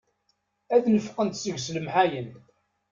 Ad neffqent seg-s lemḥayen.